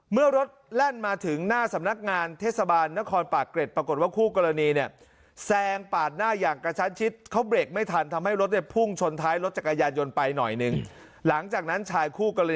เมื่อรถแล่นมาถึงหน้าสำนักงานเทศบาลนครปากเกร็ดปรากฏว่าคู่กรณีเนี่ย